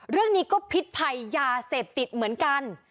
เรื่องนี้ก็พิษภัยยาเสพติดเหมือนกัน